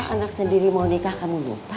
masa anak sendiri mau nikah kamu lupa